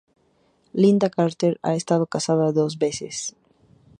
Lynda Carter ha estado casada dos veces.